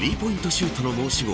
シュートの申し子